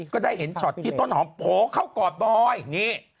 ก็ได้เห็นช็อตที่ต้นหอมโผล่เข้ากอดบอยนี่